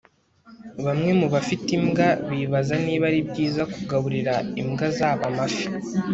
bamwe mubafite imbwa bibaza niba ari byiza kugaburira imbwa zabo amafi